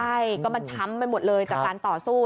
ใช่ก็มันช้ำไปหมดเลยจากการต่อสู้